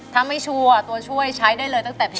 ถ้าไม่ชัวร์ตัวช่วยใช้ได้เลยตั้งแต่เพลง